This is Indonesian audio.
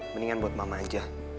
mendingan buat mama aja